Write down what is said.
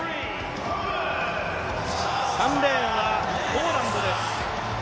３レーンはポーランドです。